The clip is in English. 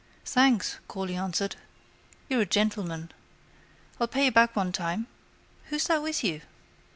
—Thanks, Corley answered, you're a gentleman. I'll pay you back one time. Who's that with you?